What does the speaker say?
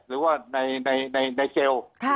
หรือว่าในเซลล์